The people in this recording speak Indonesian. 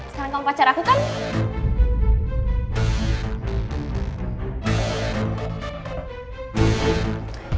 sekarang kamu pacar aku kan